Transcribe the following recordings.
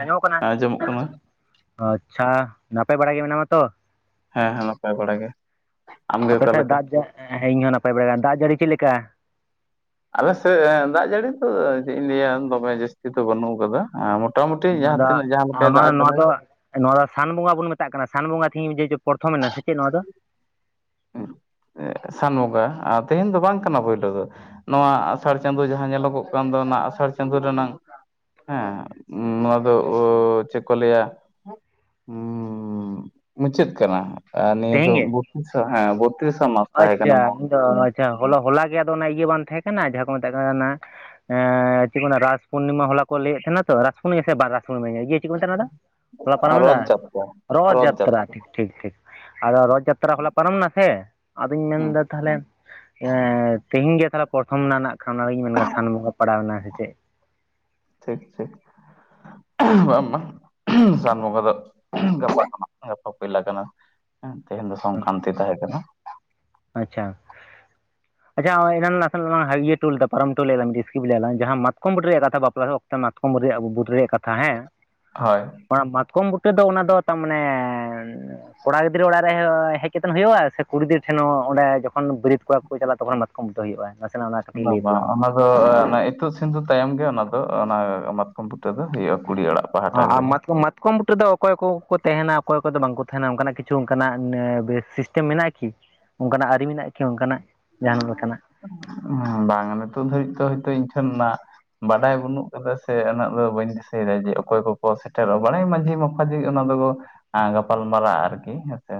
ᱟᱸᱡᱚᱢᱚᱜ ᱠᱟᱱᱟ ᱟᱸᱡᱚᱢᱚᱜ ᱠᱟᱱᱟ ᱟᱪᱪᱷᱟ ᱱᱟᱯᱟᱭ ᱵᱟᱲᱟ ᱜᱮ ᱢᱮᱱᱟᱢᱟ ᱛᱚ? ᱦᱮᱸ ᱦᱮᱸ ᱱᱟᱯᱟᱭ ᱵᱟᱲᱟ ᱜᱮ᱾ ᱟᱢᱜᱮ ᱟᱯᱮ ᱥᱮᱫ ᱚᱠᱟᱞᱮᱠᱟ ᱫᱟᱜ ᱤᱧ ᱦᱚᱸ ᱱᱟᱯᱟᱭ ᱵᱟᱲᱟ ᱠᱟᱱᱟ ᱫᱟᱜ ᱡᱟᱹᱲᱤ ᱪᱮᱫ ᱞᱮᱠᱟ? ᱟᱞᱮᱥᱮᱫ ᱫᱟᱜ ᱡᱟᱹᱲᱤ ᱫᱚ ᱪᱮᱫ ᱤᱧ ᱞᱟᱹᱭᱟ ᱫᱚᱢᱮ ᱡᱟᱹᱥᱛᱤ ᱫᱚ ᱵᱟᱹᱱᱩᱜ ᱟᱠᱟᱫᱟ ᱢᱚᱴᱟᱼᱼ ᱢᱚᱴᱟᱢᱳᱴᱤ ᱱᱚᱣᱟ ᱡᱟᱦᱟᱸ ᱫᱚ ᱛᱤᱱᱟᱹᱜ ᱡᱟᱦᱟᱸ ᱟᱨ ᱞᱮᱠᱟᱭ ᱫᱟᱜ ᱱᱚᱣᱟ ᱫᱚ ᱱᱚᱣᱟ ᱟᱠᱟᱫᱟᱭ᱾ ᱫᱚ ᱱᱚᱣᱟ ᱫᱚ ᱥᱟᱱ ᱵᱚᱸᱜᱟ ᱵᱚᱱ ᱢᱮᱛᱟᱜ ᱠᱟᱱᱟ ᱥᱟᱱ ᱵᱚᱸᱜᱟ ᱛᱮᱦᱤᱧ ᱡᱮ ᱪᱮ ᱯᱨᱚᱛᱷᱚᱢ ᱮᱱᱟ ᱥᱮ ᱪᱮᱫ ᱱᱚᱣᱟ ᱫᱚ? ᱥᱟᱱ ᱵᱚᱸᱜᱟ ᱟᱨ ᱛᱮᱦᱮᱧ ᱫᱚ ᱵᱟᱝ ᱠᱟᱱᱟ ᱯᱳᱭᱞᱳ ᱫᱚ᱾ ᱱᱚᱣᱟ ᱟᱥᱟᱲ ᱪᱟᱸᱫᱚ ᱡᱟᱦᱟᱸ ᱧᱮᱞᱚᱜᱚᱜ ᱠᱟᱱ ᱫᱚ ᱚᱱᱟ ᱟᱥᱟᱲ ᱪᱟᱸᱫᱚ ᱨᱮᱱᱟᱝ᱾ ᱦᱮᱸ ᱱᱚᱣᱟ ᱫᱚ ᱪᱮᱫ ᱠᱚ ᱞᱟᱹᱭᱟ᱾ ᱦᱮᱸᱢᱩᱪᱟᱹᱫ ᱠᱟᱱᱟ ᱱᱤᱭᱟᱹ ᱫᱚ ᱛᱮᱦᱮᱧ ᱜᱮ? ᱦᱮᱸ [unintelligible] ᱮᱠᱛᱨᱤᱥᱟ ᱢᱟᱥ ᱛᱟᱦᱮ ᱠᱟᱱᱟ ᱱᱚᱣᱟ, ᱦᱚ ᱦᱚᱞᱟ ᱜᱮ ᱟᱫᱚ ᱚᱱᱟ ᱤᱭᱟᱹ ᱵᱟᱝ ᱛᱟᱦᱮᱸ ᱠᱟᱱᱟ ᱡᱟᱦᱟᱸ ᱠᱚ ᱢᱮᱛᱟᱜ ᱠᱟᱱᱟ᱾ ᱮᱸ ᱪᱮᱫ ᱠᱟᱱᱟ ᱨᱟᱥ ᱯᱩᱨᱱᱤᱢᱟ ᱦᱚᱞᱟ ᱠᱚ ᱞᱟᱹᱭᱮᱫ ᱛᱟᱦᱮᱱᱟ ᱛᱚ ᱨᱟᱥ ᱯᱩᱨᱱᱤᱢᱟ ᱥᱮ ᱵᱟᱝ ᱨᱥ ᱯᱩᱨᱱᱢᱟᱹᱧᱤᱭᱟᱹ ᱤᱭᱹᱟᱼᱼ ᱪᱮᱜ ᱠᱚ ᱢᱮᱛᱟᱜ ᱚᱱᱟᱫᱚ ᱦᱚᱞᱟ ᱯᱟᱨᱚᱢᱮᱫᱟ ᱨᱚᱛ ᱡᱟᱛᱨᱟ ᱨᱚᱲᱚ ᱨᱚᱛ ᱡᱟᱛᱛᱨᱟ ᱡᱟᱛᱨᱟ ᱴᱷᱤᱠ - ᱴᱷᱤᱠᱼᱴᱷᱤᱠ ᱟᱫᱚ ᱨᱚᱛᱷ ᱡᱟᱛᱛᱨᱟ ᱦᱚᱞᱟ ᱯᱟᱨᱚᱢ ᱱᱟ ᱥᱮ ᱟᱫᱚᱧ ᱦᱩᱸ ᱢᱮᱱᱫᱟ ᱛᱟᱦᱞᱮ ᱮᱸᱻᱛᱤᱜᱼᱼ ᱤᱧ ᱜᱮ ᱛᱟᱦᱞᱮ ᱯᱚᱨᱛᱷᱚᱢ ᱨᱮᱱᱟ ᱱᱟᱜ ᱠᱷᱟᱱᱟ ᱨᱮ ᱚᱱᱟᱜᱮᱧ ᱢᱮᱱᱫᱟ ᱥᱟᱱ ᱵᱚᱸᱜᱟ ᱯᱟᱲᱟᱣ ᱮᱱᱟ ᱥᱮ ᱪᱮᱫ ᱴᱷᱤᱠ - ᱴᱷᱤᱠ [unintelligible] ᱵᱟᱝ [unintelligible] ᱥᱟᱱ ᱵᱚᱸᱜᱟ ᱫᱚᱜ ᱜᱟᱯᱟ ᱠᱷᱚᱱᱟᱜ ᱜᱟᱯᱟ ᱠᱚᱭᱞᱟᱟᱜ ᱠᱟᱱᱟ᱾ ᱦᱮᱸ ᱛᱮᱦᱮᱧ ᱫᱚ ᱥᱚᱝᱠᱟᱱᱛᱤ ᱛᱟᱦᱮᱸᱠᱟᱱᱟ᱾ ᱟᱪᱷᱟ᱾ [inaudible] ᱟᱪᱪᱷᱟ ᱚ ᱮᱱᱟᱝ ᱱᱟᱥᱮᱱᱟᱜ ᱞᱟᱝ ᱦᱟ ᱤᱭᱟᱹ ᱴᱩ ᱞᱮᱫᱟ ᱯᱟᱨᱚᱢ ᱴᱩ ᱞᱮᱫᱟ ᱰᱤᱥᱠᱤᱵ ᱞᱮ ᱟᱞᱟᱝ ᱡᱟᱦᱟᱸ ᱢᱟᱛᱠᱚᱢ ᱵᱩᱴᱟᱹᱴ ᱨᱮᱭᱟᱜ ᱠᱟᱛᱷᱟ ᱵᱟᱯᱞᱟ ᱨᱮ ᱚᱠ ᱢᱟᱛᱠᱚᱢ ᱨᱮᱭᱟᱜ ᱵᱩᱫ ᱨᱮᱭᱟᱜ ᱠᱟᱛᱷᱟ ᱦᱮᱸ ᱦᱳᱭ ᱚᱱᱟᱜ ᱢᱟᱛᱠᱚᱢ ᱵᱩᱴᱟᱹ ᱫᱚ ᱚᱱᱟ ᱫᱚ ᱛᱟᱨᱢᱟᱱᱮᱼᱼ ᱠᱚᱲᱟ ᱜᱤᱫᱽᱨᱟᱹ ᱚᱲᱟᱜ ᱨᱮ ᱦᱚ ᱦᱮᱡ ᱠᱟᱛᱮᱱ ᱦᱩᱭᱩᱜᱼᱟ ᱥᱮ ᱠᱩᱲᱤ ᱜᱤᱫᱽᱨᱟᱹᱼᱼ ᱦᱮᱸ ᱱᱟᱣᱟ ᱚᱸᱰᱮ ᱸ ᱡᱚᱠᱷᱚᱱ ᱵᱟᱹᱨᱟᱹᱛᱽ ᱠᱚᱲᱟ ᱠᱚ ᱠᱚ ᱪᱟᱞᱟᱜᱼᱟ ᱛᱚᱠᱷᱚᱱ ᱢᱟᱛᱚᱢ ᱵᱩᱴᱟᱹ ᱦᱩᱭᱩᱜᱼᱟ᱾ ᱱᱟᱥᱮᱱᱟᱜ ᱚᱱᱟ ᱠᱟᱹᱴᱤᱡ ᱵᱟᱝ ᱞᱟᱹᱭ - ᱵᱟᱝ ᱛᱟᱞᱟᱝ ᱢᱮ ᱚᱱᱟ ᱢᱟ ᱫᱚᱼᱼ ᱤᱛᱩᱜ ᱥᱤᱸᱫᱩᱨ ᱛᱟᱭᱚᱢ ᱜᱮ ᱚᱱᱟ ᱫᱚ ᱚᱱᱟᱻ - ᱚᱱᱟ ᱢᱟᱛᱠᱚᱢ ᱵᱩᱴᱟᱹ ᱫᱚ ᱦᱩᱭᱩᱜᱼᱟ ᱠᱩᱲᱤᱲᱟᱜᱼᱼ ᱦᱟᱸ ᱢᱟᱛᱠᱚᱢᱡ ᱢᱟᱛᱼᱼ ᱢᱟᱛᱠᱚᱢ ᱵᱩᱴᱟᱹ ᱨᱮᱫᱚ ᱚᱠᱚᱭ - ᱚᱠᱚᱭ ᱠᱚ ᱜᱚ ᱛᱮᱦᱮᱱᱟ ᱚᱠᱚᱭ ᱠᱚᱫᱚ ᱵᱟᱝᱠᱚ ᱛᱟᱦᱮᱱᱟ ᱚᱱᱠᱟᱱᱟᱜ ᱠᱤᱪᱷᱩ ᱚᱱᱠᱟᱱᱟᱜ ᱵᱮᱥ ᱥᱤᱥᱴᱮᱢ ᱢᱮᱱᱟᱜᱼᱟ ᱠᱤ? ᱚᱱᱠᱟᱱᱟᱜ ᱟᱹᱨᱤ ᱢᱮᱱᱟᱜᱼᱟ ᱠᱤ ᱚᱱᱠᱟᱱᱟᱜ ᱡᱟᱦᱱᱟᱜ ᱞᱮᱠᱟᱱᱟᱜ? ᱦᱚᱸ ᱵᱟᱝ ᱱᱤᱛᱳ ᱫᱷᱟᱹᱨᱤᱡ ᱛᱚ ᱦᱚᱭᱛᱳ ᱤᱧ ᱴᱷᱮᱱ ᱱᱟᱜᱼᱼ ᱵᱟᱰᱟᱭ ᱵᱟᱹᱱᱩᱜ ᱠᱟᱫᱟ ᱥᱮ ᱩᱱᱟᱹᱜ ᱫᱚ ᱵᱟᱹᱧ ᱫᱤᱥᱟᱹᱭᱫᱟ ᱡᱮ ᱚᱠᱚᱭ ᱠᱚ - ᱠᱚ ᱥᱮᱴᱮᱨᱚᱜ ᱼᱟ ᱵᱟᱰᱟᱭ ᱢᱟᱹᱡᱷᱤ ᱢᱟ ᱵᱷᱡᱮ ᱚᱱᱟ ᱫᱚᱠᱚ ᱜᱟᱯᱟᱞ ᱢᱟᱨᱟᱨᱟᱜᱼᱟ ᱟᱨᱠᱤ ᱦᱮᱸᱥᱮ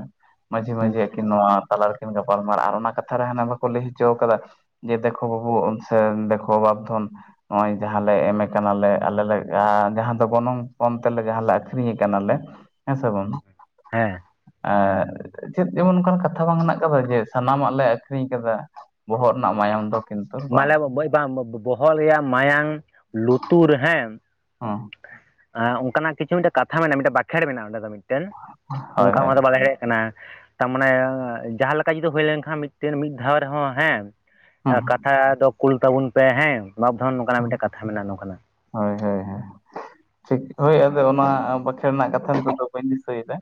ᱢᱟᱹᱡᱷᱤ - ᱢᱟᱹᱡᱷᱤ ᱟᱪᱪᱷᱟ ᱟᱹᱠᱤᱱ ᱱᱚᱣᱟ ᱛᱟᱞᱟ ᱨᱮᱠᱤᱱ ᱜᱟᱯᱟᱞᱢᱟᱨᱟᱜ ᱟᱨ ᱚᱱᱟ ᱠᱟᱛᱷᱟ ᱨᱮ ᱦᱟᱱᱟ ᱵᱟᱠᱚ ᱞᱟᱹᱭ ᱦᱚᱪᱚ ᱠᱟᱫᱟ ᱡᱮ ᱫᱮᱠᱷᱚ ᱵᱟᱹᱵᱩ ᱩᱸᱱ ᱥᱮ ᱫᱮᱠᱷᱚ ᱵᱟᱵᱫᱷᱚᱱ ᱱᱚᱜᱼᱚᱭ ᱡᱟᱦᱟᱸ ᱞᱮ ᱮᱢᱮ ᱠᱟᱱᱟᱞᱮ ᱟᱞᱮ ᱞᱮ ᱟᱻᱡᱟᱦᱟᱸ ᱫᱚ ᱜᱚᱱᱚᱝ ᱯᱚᱱ ᱛᱮᱞᱮ ᱡᱟᱦᱟᱸ ᱞᱮ ᱟᱹᱠᱷᱨᱤᱧᱮ ᱠᱟᱱᱟᱞᱮ᱾ ᱦᱮᱸ ᱥᱮ ᱵᱚᱱ ᱦᱮᱸ ᱟᱸᱻ ᱪᱮᱫ ᱡᱮᱢᱚᱱ ᱚᱱᱠᱟᱱ ᱠᱟᱛᱷᱟ ᱵᱟᱝ ᱦᱮᱱᱟᱜ ᱠᱟᱫᱟ ᱡᱮ ᱥᱟᱱᱟᱢᱟᱜ ᱞᱮ ᱟᱠᱷᱨᱤᱧ ᱠᱟᱫᱟ ᱵᱚᱦᱚᱜ ᱨᱮᱱᱟᱜ ᱢᱟᱭᱟᱢ ᱫᱚ ᱠᱤᱱᱛᱩ ᱵᱟᱝ ᱢᱟᱞᱮ ᱵᱚᱵᱚᱭ ᱵᱟᱝ ᱵᱚᱵᱚᱭ ᱵᱚᱵᱚᱦᱚᱜ ᱨᱮᱭᱟᱜ ᱢᱟᱭᱟᱝ ᱞᱩᱛᱩᱨ ᱦᱮᱸ ᱦᱚᱸ ᱟᱸ ᱚᱱᱠᱟᱱᱟᱜ ᱠᱤᱪᱷᱩ ᱢᱤᱫᱴᱟᱹᱜ ᱠᱟᱛᱷᱟ ᱢᱮᱱᱟᱜᱼᱟ ᱢᱤᱫᱴᱟᱹᱜ ᱵᱟᱠᱷᱮᱸᱲ ᱢᱮᱱᱟᱜᱼᱟ ᱚᱸᱰᱮ ᱫᱚ ᱢᱤᱫ ᱢᱤᱫᱴᱮᱱ ᱦᱳᱭ ᱚᱝᱠᱟ ᱦᱳᱭ ᱚᱱᱟ ᱫᱚ ᱵᱟᱞᱮ ᱰᱟᱞᱮ ᱠᱟᱱᱟ ᱛᱟ ᱢᱟᱱᱮ ᱡᱟᱦᱟᱸ ᱞᱮᱠᱟ ᱡᱩᱫᱤ ᱦᱳᱭ ᱞᱮᱱᱠᱷᱟᱱ ᱢᱤᱫᱴᱤᱱ ᱢᱤᱫ ᱫᱷᱟᱣ ᱨᱮᱦᱚᱸ ᱦᱮᱸ ᱮᱸ ᱦᱩᱸ ᱠᱟᱛᱷᱟ ᱫᱚ ᱠᱩᱞ ᱛᱟᱵᱩᱱ ᱯᱮ ᱦᱮᱸ ᱵᱟᱵᱫᱷᱚᱱ ᱱᱚᱝᱠᱟᱱᱟᱜ ᱢᱤᱫᱴᱮᱜ ᱠᱟᱛᱷᱟ ᱢᱮᱱᱟᱜᱼᱟ ᱱᱚᱝᱠᱟᱱᱟᱜ ᱦᱳᱭ - ᱦᱳᱭ - ᱦᱳᱭ ᱴᱷᱤᱠ ᱦᱳᱭ ᱟᱫᱚ ᱚᱱᱟ ᱵᱟᱠᱷᱮᱬ ᱨᱮᱱᱟᱜ ᱠᱟᱛᱷᱟ ᱠᱚᱫᱚ ᱵᱟᱹᱧ ᱫᱤᱥᱟᱹᱭᱮᱫᱟ᱾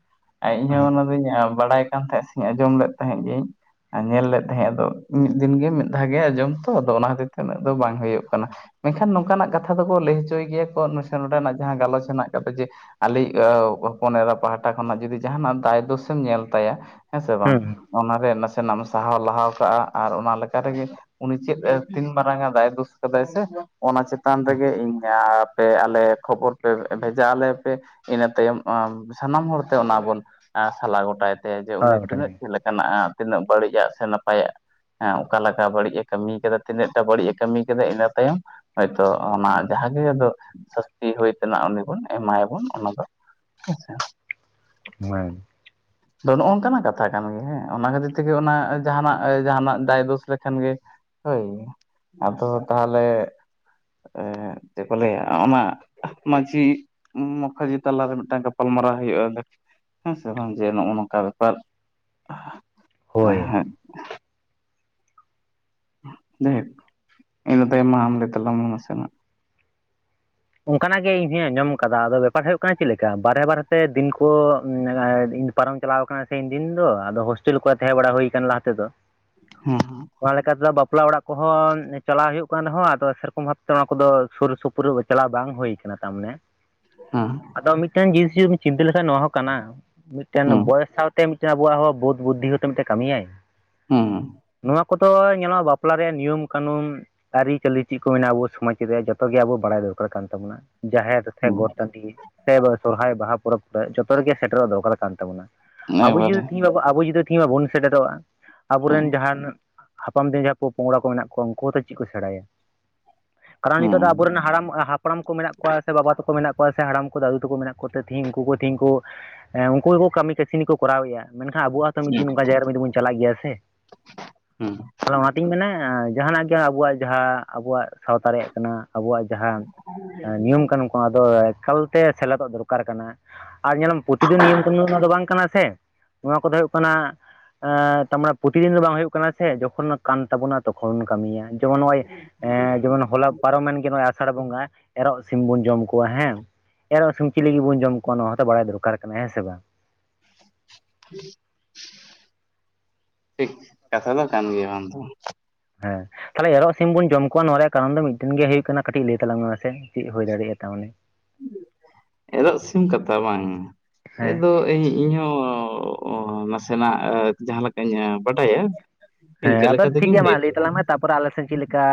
ᱟᱨ ᱤᱧᱦᱚᱸ ᱦᱮᱸ ᱚᱱᱟ ᱫᱚᱧ ᱵᱟᱲᱟᱭ ᱠᱟᱱ ᱛᱟᱦᱮᱸᱫ ᱥᱮᱧ ᱟᱸᱡᱚᱢ ᱞᱮᱫ ᱛᱟᱦᱮᱸᱫ ᱜᱤᱭᱟᱹᱧ ᱧᱮᱞ ᱞᱮᱫ ᱛᱟᱦᱮᱸᱜ ᱟᱫᱚᱜ ᱢᱤᱫ ᱫᱤᱱ ᱜᱮ ᱢᱤᱫ ᱫᱷᱟᱣ ᱜᱮ ᱟᱸᱡᱚᱢ ᱛᱚ ᱟᱫᱚ ᱚᱱᱟ ᱠᱷᱟᱛᱤᱨ ᱛᱮ ᱩᱱᱟᱹᱜ ᱫᱚ ᱵᱟᱝ ᱦᱩᱭᱩᱜ-ᱟ ᱾ ᱢᱮᱱᱠᱷᱟᱱ ᱱᱚᱝᱠᱟᱱᱟᱜ ᱠᱟᱛᱷᱟ ᱫᱚᱠᱚ ᱞᱟᱹᱭ ᱦᱚᱪᱚᱭ ᱜᱮᱭᱟ ᱠᱚ ᱱᱚᱭᱥᱮ ᱱᱚᱰᱮᱱᱟᱜ ᱡᱟᱦᱟᱸ ᱜᱟᱞᱚᱪ ᱦᱮᱱᱟᱜ ᱟᱠᱟᱫᱟ ᱡᱮ ᱟᱞᱤᱭᱤᱜ ᱚᱻ ᱦᱚᱯᱚᱱ ᱮᱨᱟ ᱯᱟᱦᱴᱟ ᱠᱷᱚᱱᱟᱜ ᱡᱩᱫᱤ ᱡᱟᱦᱟᱱᱟᱜ ᱫᱟᱭ ᱫᱳᱥ ᱮᱢ ᱧᱮᱞ ᱛᱟᱭᱟ ᱦᱮᱸ ᱥᱮᱮ ᱵᱟᱝ ᱚᱱᱟᱨᱮ ᱱᱟᱥᱮᱱᱟᱜ ᱮᱢ ᱥᱟᱦᱟᱣ - ᱞᱟᱦᱟᱣ ᱠᱟᱜᱼᱟ ᱟᱨ ᱚᱱᱟ ᱞᱮᱠᱟ ᱨᱮᱜᱮ ᱩᱱᱤ ᱪᱮᱫ ᱮ ᱛᱤᱱ ᱢᱟᱨᱟᱝ ᱮ ᱫᱟᱭ ᱫᱳᱥ ᱠᱟᱫᱟᱭ ᱥᱮ ᱚᱱᱟ ᱪᱮᱛᱟᱱ ᱨᱮᱜᱮ ᱤᱧ ᱟᱻᱯ ᱯᱮ ᱟᱞᱮ ᱠᱷᱚᱵᱚᱨ ᱯᱮ ᱵᱷᱮᱡᱟ ᱟᱞᱮ ᱯᱮ ᱤᱱᱟᱹ ᱛᱟᱭᱚᱢ ᱟᱢ ᱥᱟᱱᱟᱢ ᱦᱚᱲᱛᱮ ᱚᱱᱟ ᱵᱚᱱ ᱟ ᱥᱟᱞᱟ ᱜᱚᱴᱟᱭ ᱛᱟᱭᱟ ᱡᱮ ᱦᱳᱭ ᱩᱱᱤ ᱜᱚᱴᱟᱜᱮ ᱛᱤᱱᱟᱹᱜ ᱪᱮᱫ ᱞᱮᱠᱟᱱᱟᱜ ᱛᱤᱱᱟᱹᱜ ᱵᱟᱹᱲᱤᱡᱟᱜ ᱥᱮ ᱱᱟᱯᱟᱭᱟᱜ ᱦᱮᱸ ᱚᱠᱟ ᱞᱟᱠᱟ ᱵᱟᱹᱲᱤᱡ ᱮ ᱠᱟᱹᱢᱤ ᱠᱟᱫᱟ ᱛᱤᱱᱟᱹᱜ ᱴᱟ ᱵᱟᱹᱲᱤᱡ ᱮ ᱠᱟᱹᱢᱤ ᱠᱮᱫᱟᱭ ᱤᱱᱟᱹ ᱛᱟᱭᱚᱢ ᱦᱚᱭᱛᱳ ᱚᱱᱟ ᱡᱟᱦᱟᱸ ᱜᱮ ᱟᱫᱚ ᱥᱟᱹᱥᱛᱤ ᱦᱩᱭ ᱛᱮᱱᱟᱜ ᱩᱱᱤ ᱵᱚᱱ ᱮᱢᱟᱭᱟᱵᱩᱱ ᱚᱱᱟ ᱫᱚ ᱦᱮᱸᱥᱮ ᱦᱩᱸ ᱟᱫᱚ ᱱᱚᱜ ᱼ ᱱᱚᱝᱠᱟᱱᱟᱜ ᱠᱟᱛᱷᱟ ᱠᱟᱱ ᱜᱮ ᱦᱮᱸ ᱚᱱᱟ ᱠᱷᱟᱹᱛᱤᱨ ᱛᱮᱜᱮ ᱚᱱᱟ ᱡᱟᱦᱟᱱᱟᱜ ᱮ - ᱡᱟᱦᱟᱱᱟᱜ ᱫᱟᱭ ᱫᱳᱥ ᱞᱮᱠᱷᱟᱱ ᱜᱮ ᱦᱳᱭ ᱟᱫᱚ ᱛᱟᱦᱚᱞᱮ ᱮ ᱪᱮᱫ ᱠᱚ ᱞᱮᱭᱟ ᱚᱱᱟ ᱢᱟᱹᱡᱷᱤ ᱢᱟᱠᱷᱷᱟᱡᱤ ᱛᱟᱞᱟᱨᱮ ᱢᱤᱫᱴᱟᱝ ᱜᱟᱯᱟᱞᱢᱟᱨᱟᱣ ᱦᱩᱭᱩᱜᱼᱟ ᱦᱮᱸ ᱥᱮ ᱵᱟᱝ, ᱱᱚᱜᱼᱚ ᱱᱚᱝᱠᱟ ᱵᱮᱯᱟᱨᱮ ᱦᱳᱭ ᱤᱱᱟ ᱛᱟᱭᱚᱢᱟᱭᱢ ᱢᱟ ᱟᱢᱜᱮ ᱛᱮᱞᱟ ᱢᱚᱥᱱᱟ, ᱚᱱᱠᱟᱱᱟᱜ ᱜᱮ ᱤᱧ ᱦᱚᱸᱚᱸ ᱟᱸᱡᱚᱢ ᱠᱟᱫᱟ ᱟᱫᱚ ᱵᱮᱯᱟᱨ ᱦᱩᱭᱩᱜ ᱠᱟᱱᱟ ᱪᱮᱫ ᱞᱮᱠᱟ ᱵᱟᱨᱦᱮ ᱵᱟᱨᱦᱮᱛᱮ ᱫᱤᱱ ᱠᱚ ᱯᱟᱨᱚᱢ ᱪᱟᱞᱟᱣ ᱠᱟᱱᱟ ᱥᱮᱧ ᱫᱤᱱ ᱫᱚ ᱟᱫᱚ ᱦᱳᱥᱴᱮᱞ ᱠᱚᱨᱮ ᱛᱟᱦᱮᱸ ᱵᱟᱲᱟ ᱦᱩᱭᱠ ᱞᱟᱦᱟ ᱛᱮᱫᱚ, ᱦᱮᱸ ᱦᱮᱸ ᱚᱱᱟ ᱞᱮᱠᱟ ᱞᱮᱠᱟᱛᱮᱮᱫᱚ ᱵᱟᱯᱞᱟ ᱚᱲᱟᱜ ᱠᱚᱦᱚᱸ ᱪᱟᱞᱟᱣ ᱦᱩᱭᱩᱜ ᱠᱟᱱ ᱨᱮᱦᱚᱸ ᱟᱫᱚ ᱥᱮᱨᱚᱠᱚᱢ ᱵᱷᱟᱵᱛᱮ ᱚᱱᱟ ᱠᱚᱫᱚ ᱥᱩᱨ ᱥᱩᱯᱩᱨ ᱵᱩᱜ ᱪᱟᱞᱟᱣ ᱵᱟᱝ ᱦᱩᱭ ᱟᱠᱟᱱᱟ ᱛᱟ ᱢᱟᱱᱮ ᱦᱩ ᱟᱫᱚ ᱢᱤᱫᱴᱮᱱ ᱡᱤᱱᱤᱥ ᱡᱩᱫᱢ ᱪᱤᱱᱛᱟᱹ ᱞᱮᱠᱷᱟᱱᱡ ᱱᱚᱣᱟ ᱦᱚᱸ ᱠᱟᱱᱟ ᱢᱤᱫᱴᱮᱱ ᱦᱮᱸ ᱵᱚᱭᱮᱥ ᱥᱟᱶᱛᱮ ᱛᱮ ᱢᱤᱫᱴᱮᱱ ᱟᱵᱚᱣᱟᱜ ᱦᱚᱸ ᱵᱩᱫ ᱵᱩᱫᱽᱫᱷᱤ ᱦᱚᱛᱮ ᱢᱤᱫᱴᱮᱱ ᱠᱟᱹᱢᱤᱭᱟᱭ ᱦᱮᱸᱸ ᱱᱚᱣᱟ ᱠᱚᱫᱚ ᱧᱮᱞᱚᱜᱼᱟ ᱵᱟᱯᱞᱟ ᱨᱮᱭᱟᱜ ᱱᱤᱭᱚᱢ ᱠᱟᱹᱱᱩᱱ ᱟᱹᱨᱤᱪᱟᱹᱞᱤ ᱪᱮᱫ ᱠᱚ ᱢᱮᱱᱟᱜᱼᱟᱱᱟ ᱟᱵᱚ ᱥᱚᱢᱟᱡᱽ ᱨᱮᱭᱟᱜ ᱡᱚᱛᱚᱜ ᱜᱮ ᱟᱵᱚ ᱵᱟᱲᱟᱭ ᱫᱚᱼᱼ ᱠᱟᱱ ᱛᱟᱵᱚᱱᱟ ᱡᱟᱦᱮᱨ ᱜᱚᱴ ᱴᱟᱹᱰᱤ ᱥᱮ ᱥᱚᱨᱦᱟᱭ ᱵᱟᱦᱟ ᱯᱚᱨᱚᱵᱽ ᱠᱚᱨᱮ ᱡᱚᱛᱚ ᱨᱮᱜᱮ ᱥᱮᱴᱮᱨᱚᱜ ᱫᱚᱨᱠᱟᱨ ᱠᱟᱱ ᱛᱟᱵᱚᱱᱟ ᱦᱮᱸ ᱟᱵᱚ ᱡᱩᱫᱤ ᱮᱠᱵᱟᱨᱮ ᱛᱮᱦᱤᱧ ᱵᱟ ᱟᱵᱚ ᱡᱩᱫᱤᱼᱼ ᱛᱮᱤᱦᱤᱧ ᱢᱟᱵᱚᱱ ᱥᱮᱴᱮᱨᱚᱜᱼᱟ ᱦᱮᱸ ᱟᱵᱚᱨᱮᱱ ᱡᱟᱦᱟᱱᱼᱼ ᱦᱟᱯᱟᱢ ᱫᱤᱱ ᱡᱟᱦᱟᱸᱭ ᱠᱚ ᱯᱚᱝᱲᱟ ᱠᱚ ᱢᱮᱱᱟᱜ ᱠᱚᱣᱟ ᱩᱱᱠᱩ ᱦᱚᱸᱛᱚ ᱪᱮᱫ ᱠᱚ ᱥᱮᱬᱟᱭᱟ ᱠᱟᱨᱚᱱ ᱦᱮᱸ ᱱᱤᱛᱚᱜ ᱫᱚ ᱟᱵᱚᱨᱮᱱ ᱦᱟᱲᱟᱢᱼᱼ ᱦᱟᱯᱲᱟᱢ ᱠᱚ ᱢᱮᱱᱟᱜ ᱠᱚᱣᱟ ᱥᱮ ᱵᱟᱵᱟ ᱛᱟᱠᱚ ᱢᱮᱱᱟᱜ ᱠᱚᱣᱟ ᱥᱮ ᱦᱟᱲᱟᱢ ᱠᱚ ᱫᱟᱫᱩ ᱛᱟᱠᱚ ᱢᱮᱱᱟᱜ ᱠᱚᱛᱮ ᱛᱤᱦᱤᱧ ᱩᱱᱠᱩ ᱠᱚ ᱛᱤᱦᱤᱧ ᱠᱚᱼᱼ ᱩᱱᱠᱩ ᱜᱮ ᱠᱟᱹᱢᱤ ᱠᱟᱹᱥᱱᱤ ᱠᱚᱼᱼ ᱠᱚᱨᱟᱣᱮᱫᱼᱟ ᱢᱮᱱᱠᱷᱟᱱ ᱟᱵᱚᱣᱟᱜ ᱛᱚ ᱢᱤᱫ ᱦᱮᱸ ᱫᱤᱱ ᱚᱱᱠᱟ ᱡᱟᱭᱜᱟᱟᱨ ᱨᱮ ᱢᱤᱫ ᱫᱤᱱ ᱵᱚᱱ ᱪᱟᱞᱟᱜ ᱜᱮᱭᱟ ᱥᱮᱼᱼ ᱦᱮᱸ ᱛᱟᱦᱚᱞᱮ ᱚᱱᱟᱛᱤᱧ ᱢᱮᱱᱟ ᱡᱟᱦᱟᱸᱟᱱᱟᱜ ᱜᱮ ᱟᱵᱚᱣᱟᱜ ᱡᱟᱦᱟᱸ ᱟᱵᱚᱣᱟᱜ ᱥᱟᱶᱛᱟ ᱨᱮᱭᱟᱜ ᱠᱟᱱᱟ ᱟᱵᱚᱣᱟᱜ ᱡᱟᱦᱟᱸᱼᱼ ᱱᱤᱭᱚᱢ ᱠᱟᱱ ᱠᱚ ᱟᱫᱚ ᱮᱠᱟᱞᱛᱮ ᱥᱮᱞᱮ ᱫᱚᱜ ᱫᱚᱨᱠᱟᱨ ᱠᱟᱱᱟ᱾ ᱟᱨ ᱧᱮᱞᱢ ᱯᱨᱚᱛᱤ ᱫᱤᱱ ᱱᱤᱭᱚᱢ ᱠᱟᱹᱱᱩᱱ ᱚᱱᱟ ᱫᱚ ᱵᱟᱝ ᱠᱟᱱᱟ ᱥᱮ ᱱᱚᱣᱟ ᱠᱚᱫᱚ ᱦᱩᱭᱩᱜ ᱠᱟᱱᱟ, ᱛᱮ ᱯᱨᱚᱛᱤ ᱫᱤᱱ ᱫᱚ ᱵᱟᱝ ᱦ ᱦᱩᱭᱩᱜᱜ ᱠᱟᱱᱟ ᱥᱮ ᱡᱚᱠᱷᱚᱱ ᱠᱟᱱ ᱛᱟᱵᱚᱱᱟ ᱛᱚᱠᱷᱚᱱ ᱵᱚᱱ ᱠᱟᱹᱢᱤᱭᱟ᱾ ᱡᱮᱢᱚᱱ ᱱᱚᱜᱼᱚᱭ ᱮ ᱡᱮᱢ ᱦᱚᱞᱟ ᱯᱟᱨᱚᱢᱮᱱ ᱜᱮ ᱱᱚᱜᱼᱚᱭ ᱟᱥᱟᱲ ᱵᱚᱸᱜᱟ᱾ ᱮᱨᱚᱜ ᱥᱤᱢ ᱵᱚᱱ ᱡᱚᱢ ᱠᱚᱣᱟ ᱦᱮᱸ ᱮᱨᱚᱜ ᱥᱤᱢ ᱪᱤᱞᱤ ᱜᱮᱵᱚᱱ ᱡᱚᱢ ᱠᱚᱣᱟ ᱱᱚᱣᱟ ᱦᱚᱸᱛᱚ ᱵᱟᱲᱟᱭ ᱫᱚᱨᱠᱟᱨ ᱠᱟᱱᱟ ᱦᱮᱸ ᱥᱮ ᱵᱟᱝ? [inaudible] ᱴᱷᱤᱠ ᱠᱟᱛᱷᱟ ᱫᱚ ᱠᱟᱱ ᱜᱮᱭᱟ ᱵᱟᱝ ᱫᱚ [unintelligible] ᱦᱮᱸ ᱛᱟᱦᱚᱞᱮ ᱮᱨᱚᱜ ᱥᱤᱢ ᱵᱚᱱ ᱡᱚᱢ ᱠᱚᱣᱟ ᱱᱚᱣᱟ ᱨᱮᱭᱟᱜ ᱠᱟᱨᱚᱱ ᱫᱚ ᱢᱤᱫᱴᱮᱱ ᱜᱮ ᱦᱩᱭᱩᱜ ᱠᱟᱱᱟ ᱠᱟᱹᱴᱤᱡ ᱞᱟᱹᱭ ᱛᱟᱞᱟᱝ ᱢᱮᱥᱮ ᱪᱮᱫ ᱦᱩᱭ ᱫᱟᱲᱮᱼᱟ ᱛᱟᱱᱮ? ᱮᱫᱟᱜ ᱥᱤᱢ ᱠᱟᱛᱷᱟ ᱵᱟᱝ ᱮ ᱦᱮᱸ ᱫᱚᱼᱼ ᱤᱧᱦᱚᱸ ᱱᱟᱥᱮᱱᱟᱜ ᱡᱟᱦᱟᱸ ᱞᱮᱠᱟᱧ ᱵᱟᱰᱟᱭᱟ᱾ ᱤᱱᱠᱟᱹ ᱦᱮᱸ ᱟᱫᱚ ᱞᱮᱠᱟ ᱴᱷᱤᱠ ᱛᱮᱜᱮᱧ ᱜᱮᱭᱟ ᱢᱟ ᱞᱟᱹᱭ ᱛᱟᱞᱟᱝ ᱛᱟᱞᱟᱝᱟ ᱢᱮ ᱛᱟᱯᱚᱨᱮ ᱟᱞᱮᱥᱮᱱ ᱪᱮᱫ ᱞᱮᱠᱟ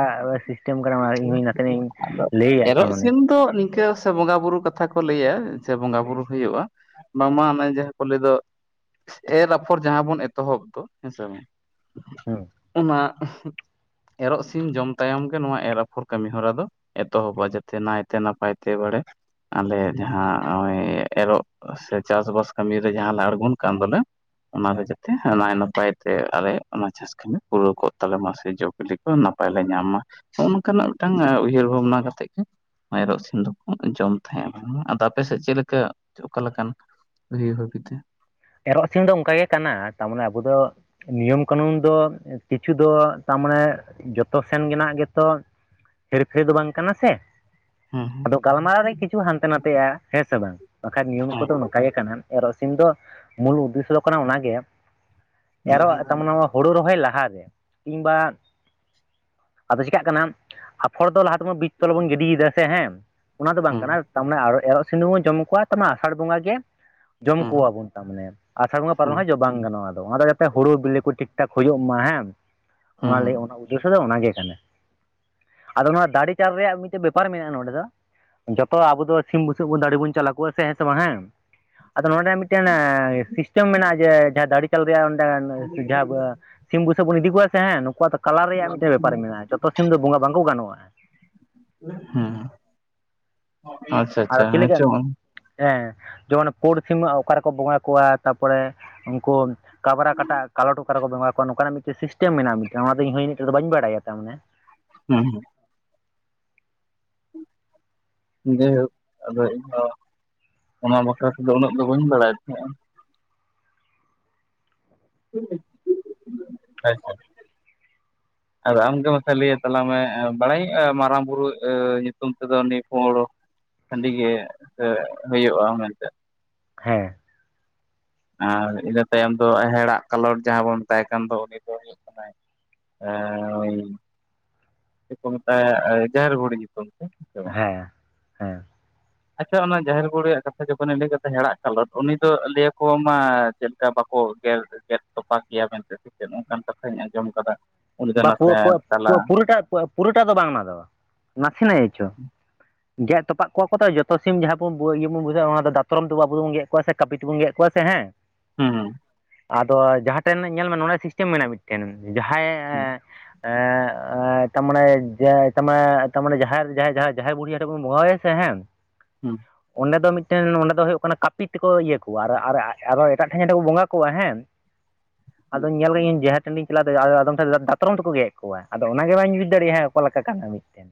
ᱥᱤᱥᱴᱮᱢ ᱠᱟᱱᱟ ᱤᱧ ᱦᱚᱧ ᱱᱟᱛᱱᱟᱤᱧ᱾ ᱟᱫᱚ ᱞᱟᱹᱭᱭᱟ᱾ ᱮᱨᱚᱜ ᱥᱤᱢ ᱫᱚ ᱱᱤᱝᱠᱟᱹ ᱥᱮ ᱵᱚᱸᱜᱟ ᱵᱩᱨᱩ ᱠᱟᱛᱷᱟ ᱠᱚ ᱞᱟᱹᱭᱟ ᱥᱮ ᱵᱚᱸᱜᱟ ᱵᱩᱨᱩ ᱦᱩᱭᱩᱜᱼᱟ ᱵᱟᱝᱢᱟ ᱚᱱᱚᱭ ᱡᱟᱦᱟᱸ ᱠᱚ ᱞᱟᱹᱭ ᱫᱚᱼᱼ ᱮᱨ ᱟᱯᱷᱚᱨ ᱡᱟᱦᱟᱸ ᱵᱚᱱ ᱮᱛᱚᱦᱚᱵ ᱫᱚ ᱦᱮᱸᱥᱮ ᱵᱟᱝ? ᱦᱮᱸ ᱚᱱᱟ [unintelligible] ᱮᱨᱚᱜ ᱥᱤᱢ ᱡᱚᱢ ᱛᱟᱭᱚᱢ ᱜᱮ ᱱᱚᱣᱟ ᱮᱨ ᱟᱯᱷᱚᱨ ᱠᱟᱹᱢᱤ ᱦᱚᱨᱟ ᱫᱚ ᱮᱛᱚᱦᱚᱵᱟ ᱡᱟᱛᱮ ᱱᱟᱭᱛᱮ ᱱᱟᱯᱟᱭ ᱛᱮᱼᱼ ᱛᱮ ᱵᱟᱲᱮ ᱟᱞᱮ ᱡᱟᱦᱟᱸ ᱱᱚᱜᱚᱭ ᱮᱨᱚᱜ ᱥᱮ ᱪᱟᱥᱵᱟᱥ ᱠᱟᱹᱢᱤᱨᱮ ᱡᱟᱦᱟᱸ ᱞᱮ ᱟᱬᱜᱚᱱ ᱠᱟᱱ ᱫᱚᱞᱮᱼᱼ ᱚᱱᱟ ᱨᱮ ᱡᱟᱛᱮ ᱱᱟᱭ ᱱᱟᱯᱟᱭ ᱛᱮ ᱟᱞᱮ ᱚᱱᱟ ᱪᱟᱥ ᱠᱟᱹᱢᱤᱮ ᱯᱩᱨᱟᱹᱣ ᱠᱚᱜ ᱛᱟᱞᱮ ᱢᱟ ᱥᱮ ᱡᱳᱜᱼᱼ ᱞᱤ ᱠᱚ ᱱᱟᱯᱟᱭ ᱞᱮ ᱧᱟᱢ ᱢᱟ ᱱᱚᱜᱼ ᱱᱚᱝᱠᱟᱱᱟᱜ ᱢᱤᱫᱴᱟᱝ ᱩᱭᱦᱟᱹᱨ ᱵᱷᱟᱵᱽᱱᱟ ᱠᱟᱛᱮ ᱜᱮ ᱮᱨᱚᱜ ᱥᱤᱢ ᱫᱚᱼᱼ ᱡᱚᱢ ᱛᱟᱦᱮᱸᱼᱟ ᱟᱫᱚ ᱟᱯ ᱥᱮᱫ ᱪᱮᱫ ᱞᱮᱠᱟ ᱚᱠᱟ ᱞᱮᱠᱟᱱ ᱵᱷ ᱦᱟᱹᱵᱤᱛᱮ? ᱮᱨᱚᱜ ᱥᱤᱧ ᱫᱚ ᱚᱱᱠᱟᱟᱜ ᱜᱮ ᱠᱟᱱᱟ ᱛᱟᱨᱢᱟᱱᱮ ᱟᱵᱚ ᱫᱚᱼᱼ ᱱᱤᱭᱚᱢ ᱠᱟᱹᱱᱩᱱ ᱫᱚ ᱠᱤᱪᱷᱩ ᱫᱚ ᱛᱟᱨᱢᱟᱱᱮ ᱡᱚᱛᱚ ᱥᱮᱱ ᱜᱮ ᱨᱮᱱᱟᱜ ᱜᱮᱛᱚ ᱦᱮᱨ ᱯᱷᱮᱨ ᱫᱚ ᱵᱟᱝ ᱠᱟᱱᱟ ᱥᱮᱼᱼ ᱦᱮᱸ ᱦᱮᱸ ᱟᱫᱚ ᱜᱟᱞᱢᱟᱨᱟᱣ ᱨᱮ ᱠᱤᱪᱷᱩ ᱦᱟᱱᱛᱮ ᱱᱟᱛᱮᱜ-ᱟ ᱦᱮᱸ ᱥᱮ ᱵᱟᱝ ᱵᱟᱝᱠᱷᱟᱱ ᱱᱤᱭᱚᱢ ᱦᱮᱸ ᱠᱚᱫᱚ ᱱᱚᱝᱠᱟ ᱚᱱᱠᱟ ᱜᱮ ᱠᱟᱱᱟ ᱮᱨᱚᱜ ᱥᱤᱢ ᱫᱚ ᱢᱩᱞᱩᱜ ᱫᱤᱥᱟᱜ ᱠᱟᱱᱟ ᱚᱱᱟᱜᱮ ᱦᱮᱸ ᱮᱨᱚᱜ ᱛᱟᱢᱚᱱ ᱦᱳᱲᱳ ᱨᱚᱦᱚᱭ ᱞᱟᱦᱟ ᱠᱤᱝᱵᱟ ᱟᱫᱚ ᱪᱮᱠᱟᱜ ᱠᱟᱱᱟ ᱟᱯᱷᱚᱲ ᱫᱚ ᱞᱟᱦᱟᱼᱼ ᱵᱤᱡ ᱛᱚᱞ ᱵᱚᱱ ᱜᱤᱰᱤ ᱭᱮᱫᱟ ᱥᱮ ᱦᱮᱸ ᱚᱱᱟ ᱫᱚ ᱵᱟᱝ ᱠᱟᱱᱟ ᱛᱟᱨᱢᱟᱱᱮ ᱮᱨᱚᱜ ᱥᱤᱼᱼ ᱥᱤᱢ ᱫᱚᱵᱚᱱ ᱡᱚᱢ ᱠᱚᱣᱟ ᱛᱟᱨᱢᱟᱱᱮ ᱟᱥᱟᱲ ᱵᱚᱸᱜᱟ ᱜᱮ ᱡᱚᱢ ᱦᱮᱸ ᱠᱚᱣᱟᱵᱚᱱ ᱛᱟᱨ ᱢᱟᱱᱮ ᱟᱥᱟᱲ ᱵᱚᱸᱜᱟ ᱯᱟᱨᱚᱢ ᱮᱱ ᱠᱷᱟᱱ ᱡᱚᱢᱼᱼ ᱵᱟᱝ ᱜᱟᱱᱚᱜᱼᱟ ᱟᱫᱚ ᱚᱸᱵᱮᱠᱟᱛᱮ ᱦᱩᱲᱩ ᱵᱤᱞᱤ ᱠᱚ ᱴᱷᱤᱠ ᱴᱷᱟᱠ ᱦᱩᱭᱩᱜ ᱢᱟ ᱦᱮᱸ ᱦᱮᱸ ᱚᱱᱟ ᱞᱟᱹᱜᱤᱫ ᱫᱚ ᱚᱱᱟᱜᱮ ᱠᱟᱱᱟ ᱟᱫᱚ ᱱᱚᱣᱟ ᱫᱟᱲᱮ ᱪᱟᱞ ᱨᱮᱭᱟᱜ ᱢᱤᱫᱴᱤᱡ ᱵᱮᱯᱟᱨ ᱢᱮᱱᱟᱜᱼᱟ ᱱᱚᱰᱮ ᱫᱚ ᱡᱚᱛᱚ ᱟᱵᱚ ᱫᱚ ᱥᱤᱢ ᱵᱩᱥᱟᱜ ᱵᱚᱱ ᱫᱟᱲᱮ ᱵᱚᱱ ᱪᱟᱞ ᱟᱠᱚᱣᱟ ᱦᱮᱸ ᱥᱮ ᱵᱟᱝ ᱦᱮᱸ ᱟᱫᱚ ᱱᱚᱰᱮ ᱢᱤᱫᱼᱼ ᱢᱤᱫᱴᱮᱱ ᱥᱤᱥᱴᱮᱢ ᱢᱮᱱᱟᱜᱼᱟ ᱡᱮ ᱡᱟᱦᱟᱸ ᱫᱟᱲᱮ ᱪᱟᱞ ᱨᱮᱭᱟᱜ ᱚᱸᱰᱮ ᱡᱟᱦᱟᱸ ᱥᱤᱢ ᱜᱩᱥᱟᱹᱜ ᱵᱚᱱ, ᱤᱫᱤ ᱠᱚᱣᱟ ᱥᱮ, ᱦᱮᱸ, ᱱᱩᱠᱩᱣᱟᱜ ᱫᱚ ᱠᱟᱞᱟᱨ ᱨᱮᱭᱟᱜ, ᱢᱤᱫᱴᱟᱝ ᱵᱮᱯᱟᱨ ᱢᱮᱱᱟᱜᱼᱟ, ᱡᱚᱛᱚ ᱥᱤᱢ ᱫᱚ, ᱵᱚᱸᱜᱟ ᱵᱟᱝ ᱠᱚ ᱜᱟᱱᱚᱜᱼᱟ ᱾ [unintelligible] ᱦᱩᱸᱻ ᱾ [unintelligible] ᱟᱼᱪᱷᱟ ᱾ ᱟᱨ, ᱪᱮᱫ ᱞᱮᱠᱟᱱ, ᱦᱮᱸ, ᱡᱮᱢᱚᱱ ᱯᱩᱸᱰ ᱥᱤᱢᱟᱜ, ᱚᱠᱟ ᱨᱮᱠᱚ, ᱵᱚᱸᱜᱟ ᱠᱚᱣᱟ, ᱛᱟ ᱯᱚᱨᱮ ᱩᱱᱠᱩᱱ ᱠᱟᱵᱽᱨᱟ ᱠᱟᱴᱟ ᱠᱟᱞᱚᱴ, ᱚᱠᱟ ᱨᱮᱠᱚ ᱵᱚᱸᱜᱟ ᱠᱚᱣᱟ, ᱱᱚᱝᱠᱟᱱᱟᱜ ᱢᱤᱫᱴᱟᱝ ᱥᱤᱥᱴᱮᱢ ᱢᱮᱱᱟᱜᱼᱟ, ᱚᱱᱟ ᱫᱚ, ᱤᱧ ᱦᱚᱸ ᱤᱧ ᱛᱮᱫᱚ, ᱵᱟᱹᱧ ᱵᱟᱲᱟᱭᱟ ᱾ ᱛᱟᱨ ᱢᱟᱱᱮ ᱦᱩᱸ ᱦᱩᱸᱻ ᱾ ᱡᱟᱭᱦᱳᱠ, ᱟᱫᱚ ᱤᱧ ᱫᱚ, ᱚᱱᱟ ᱵᱟᱠᱷᱨᱟ ᱛᱮᱫᱚ, ᱩᱱᱟᱹᱜ ᱫᱚ, ᱵᱟᱹᱧ ᱵᱟᱲᱟᱭ ᱛᱟᱦᱮᱸᱫᱼᱟ ᱾ [unintelligible] ᱟᱪᱷᱟ ᱾ ᱟᱨ, ᱟᱢᱜᱮ ᱢᱟᱥᱮ, ᱞᱟᱹᱭ ᱛᱟᱞᱟᱝ ᱢᱮ, ᱵᱟᱲᱟᱭ ᱟᱹᱧ ᱢᱟᱨᱟᱝ ᱵᱩᱨᱩ, ᱧᱩᱛᱩᱢ ᱛᱮᱫᱚ, ᱩᱱᱤ ᱯᱩᱸᱰ ᱦᱟᱺᱰᱤ ᱜᱮ, ᱮᱼᱦᱩᱭᱩᱜᱼᱟ, ᱢᱮᱱᱛᱮ ᱾ ᱦᱮᱸᱻ ᱾ ᱟᱨ, ᱤᱱᱟᱹ ᱛᱟᱭᱚᱢ ᱫᱚ, ᱦᱮᱲᱟᱜ ᱠᱟᱞᱚᱴ, ᱡᱟᱦᱟᱸ ᱵᱚᱱ ᱢᱮᱛᱟᱭ ᱠᱟᱱ ᱫᱚ, ᱩᱱᱤ ᱫᱚ, ᱦᱩᱭᱩᱜ ᱠᱟᱱᱟᱭ ᱮᱸᱻ ᱪᱮᱛᱠᱚ ᱢᱮᱛᱟᱭ, ᱡᱟᱦᱮᱨ ᱵᱩᱰᱷᱤ ᱧᱩᱛᱩᱢ ᱛᱮ ᱾ ᱦᱮᱸᱻ ᱦᱮᱸ ᱾ ᱟᱪᱷᱟ, ᱚᱱᱟ ᱡᱟᱦᱮᱨ ᱵᱩᱰᱷᱤᱭᱟᱜ, ᱠᱟᱛᱷᱟ ᱡᱚᱠᱷᱚᱱᱮᱢ, ᱞᱟᱹᱭ ᱠᱟᱛᱮ, ᱦᱮᱲᱟᱜ ᱠᱟᱞᱚᱴ, ᱩᱱᱤ ᱫᱚ, ᱞᱟᱹᱭ ᱭᱟᱠᱚ, ᱢᱟ, ᱪᱮᱫ ᱞᱮᱠᱟ ᱵᱟᱠᱚ, ᱜᱮᱫ ᱜᱮᱫ ᱛᱚᱯᱟᱜ ᱜᱮᱭᱟ, ᱢᱮᱱᱛᱮ ᱥᱮ ᱪᱮᱫ? ᱱᱚᱝ ᱠᱟᱱ ᱠᱟᱛᱷᱟᱧ, ᱟᱸᱡᱚᱢ ᱟᱠᱟᱫᱟ ᱾ ᱵᱟ ᱯᱩᱣᱟ, ᱯᱩᱣᱟ ᱯᱩᱣᱟ ᱯᱩᱨᱟᱹᱴᱟᱜ, ᱯᱩᱨᱟ. ᱴᱟᱜ ᱫᱚ ᱵᱟᱝ ᱱᱟᱥᱮᱱᱟᱜ ᱜᱮ ᱪᱚᱝ ᱜᱮᱫ ᱛᱚᱯᱟᱜ ᱠᱚᱣᱟ ᱠᱚ ᱛᱚ, ᱡᱚᱛᱚ ᱥᱤᱢ, ᱡᱟᱦᱟᱸ ᱵᱚ ᱱᱤᱭᱟ [unintelligible] ᱹ ᱵᱚᱱ, ᱵᱩᱡᱷᱟᱹᱜᱣᱟ ᱾ ᱚᱱᱟ ᱫᱚ, ᱫᱟᱛᱨᱚᱢ ᱛᱮᱵᱚ, ᱟᱵᱚ ᱫᱚ ᱜᱮᱫ ᱠᱚᱣᱟ, ᱥᱮ ᱠᱟᱹᱯᱤ ᱛᱮᱵᱚᱱ ᱜᱮᱫ ᱠᱚᱣᱟ, ᱥᱮ ᱦᱮᱸ ᱾ ᱦᱩᱸᱻ ᱾ ᱟᱫᱚ, ᱡᱟᱦᱟᱸ ᱴᱷᱮᱱ ᱧᱮᱞ ᱢᱮ, ᱱᱚᱰᱮ ᱢᱤᱫᱴᱮᱱ ᱥᱤᱥᱴᱟᱢ ᱢᱮᱱᱟᱜᱼᱟ, ᱢᱤᱫᱴᱮᱱ ᱡᱟᱦᱟᱸᱭ ᱦᱩᱸ ᱮᱸᱻᱭᱼᱟᱸ ᱾ ᱮᱼᱛᱟ ᱢᱟᱱᱮ, ᱡᱟ ᱛᱟ ᱢᱟᱱᱮ, ᱛᱟᱨᱢᱟᱱᱮ ᱡᱟᱦᱮᱨ ᱡᱟᱦᱮᱨ ᱡᱟᱦᱮᱨ ᱵᱩᱰᱷᱤ ᱟᱛᱮ ᱵᱚᱱ ᱵᱚᱸᱜᱟ ᱦᱟᱭᱟ ᱥᱮ ᱦᱮᱸ ᱾ ᱦᱩᱸ ᱾ ᱚᱸᱰᱮ ᱫᱚ ᱢᱤᱫᱴᱮᱱ, ᱚᱸᱰᱮ ᱫᱚ ᱦᱩᱭᱩᱜ ᱠᱟᱱᱟ, ᱠᱟᱹᱯᱤ ᱛᱮᱠᱚ, ᱤᱭᱟᱹ ᱠᱚᱣᱟ ᱟᱨ ᱟᱨᱚ, ᱮᱴᱟᱜ ᱴᱷᱮᱱ, ᱠᱚ ᱵᱚᱸᱜᱟ ᱠᱚᱣᱟ ᱦᱮᱸ ᱾ [unintelligible] ᱟᱫᱩᱧ ᱧᱮᱞ ᱜᱤᱧ ᱡᱟᱦᱮᱨ ᱴᱷᱮᱱᱤᱧ ᱪᱟᱞᱟᱣ ᱫᱟᱲᱮᱭᱟᱜ-ᱟ, ᱟᱫᱚᱢ ᱫᱟᱛᱨᱚᱢ ᱛᱮᱠᱚ ᱜᱮᱫ ᱠᱚᱣᱟ, ᱟᱫᱚ ᱚᱱᱟ ᱜᱮ ᱵᱟᱹᱧ ᱵᱩᱡᱽ ᱫᱟᱲᱮᱭᱟᱜᱼᱟ, ᱚᱠᱟ ᱞᱮᱠᱟ ᱠᱟᱱᱟ, ᱢᱤᱫᱴᱮᱱ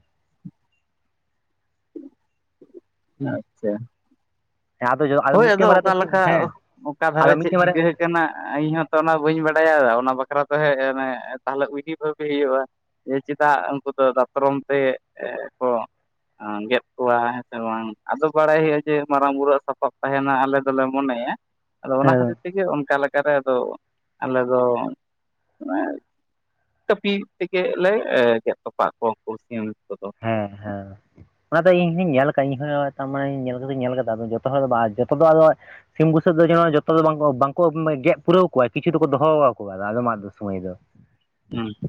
ᱟᱪᱼᱪᱟ ᱾ ᱦᱮᱸ ᱟᱫᱚ ᱦᱚᱭ ᱟᱫᱚ, ᱢᱤᱫᱴᱮᱱ ᱵᱟᱨᱭᱟ ᱫᱚ ᱚᱠᱟ ᱞᱮᱠᱟ? ᱚᱦ, ᱦᱮᱸ ᱚᱠᱟ ᱫᱷᱟᱨᱮ, ᱟᱫᱚ ᱪᱮᱫ ᱢᱤᱫᱴᱮᱱ ᱵᱟᱨᱭᱟ ᱪᱤᱠᱟ ᱟᱠᱟᱱᱟ ᱾ ᱠᱮᱱᱟ, ᱤᱧ ᱦᱚᱸ ᱛᱚ, ᱚᱱᱟ ᱵᱟᱹᱧ ᱵᱟᱰᱟᱭᱟ, ᱚᱱᱟ ᱵᱟᱠᱷᱨᱟ ᱛᱮ, ᱚᱦᱮ ᱚᱱᱮ ᱛᱟᱦᱚᱞᱮ, ᱩᱭᱦᱤ ᱵᱷᱟᱹᱵᱤ ᱦᱩᱭᱩᱜ-ᱟ ᱾ ᱡᱮ, ᱪᱮᱫᱟᱜ? ᱩᱱᱠᱩ ᱫᱚ ᱫᱟᱛᱨᱚᱢ ᱛᱮ, ᱮᱻ ᱠᱚ ᱟᱸᱻ ᱜᱮᱫ ᱠᱚᱣᱟ, ᱦᱮᱸ ᱥᱮ ᱵᱟᱝ, ᱟᱫᱚ ᱵᱟᱲᱟᱭ ᱦᱩᱭᱩᱜ-ᱟ, ᱡᱮ ᱢᱟᱨᱟᱝ ᱵᱩᱨᱩᱣᱟᱜ ᱥᱟᱯᱟᱵ ᱛᱟᱦᱮᱱᱟ, ᱟᱞᱮ ᱫᱚᱞᱮ ᱢᱚᱱᱮᱭᱟ, ᱟᱫᱚ ᱚᱱᱟ ᱦᱮᱸ ᱠᱷᱟᱹᱛᱤᱨ ᱴᱷᱤᱠ ᱜᱮ, ᱚᱱᱠᱟ ᱞᱮᱠᱟᱛᱮ ᱟᱫᱚ, ᱟᱞᱮ ᱫᱚ ᱠᱟᱹᱯᱤ ᱛᱮᱜᱮ ᱞᱮ, ᱜᱮᱫ ᱛᱚᱯᱟᱜ ᱠᱚᱣᱟ, ᱩᱱᱠᱩ ᱥᱤᱢ ᱠᱚᱫᱚ ᱾ ᱦᱮᱸ ᱦᱮᱸ ᱚᱱᱟ [unintelligible] ᱫᱚ ᱤᱧ ᱦᱩᱸᱧ ᱧᱮᱞ ᱟᱠᱟᱫᱟᱼᱟ, ᱤᱧ ᱦᱚᱸ ᱛᱟᱨᱢᱟᱱᱮ, ᱧᱮᱞ ᱠᱟᱛᱮᱧ ᱧᱮᱞ ᱟᱠᱟᱫᱟ, ᱟᱫᱚ ᱡᱚᱛᱚ ᱦᱚᱲ ᱫᱚ ᱵᱟᱝ, ᱡᱚᱛᱚ ᱫᱚ, ᱟᱫᱚ ᱥᱤᱢ ᱵᱩᱥᱟᱹᱜ ᱫᱚ, ᱡᱮᱱᱚᱱ ᱡᱚᱛᱚ ᱫᱚ ᱵᱟᱝ, ᱵᱟᱝᱠᱚ ᱜᱮᱫ ᱯᱩᱨᱟᱹᱣ ᱠᱚᱣᱟ, ᱠᱤᱪᱷᱩ ᱫᱚᱠᱚ, ᱫᱚᱦᱚ ᱠᱟᱠᱚᱣᱟ, ᱟᱫᱚᱢ ᱟᱫᱚᱢ ᱾ ᱥᱚᱢᱚᱭ ᱫᱚ ᱦᱩᱸ [unintelligible]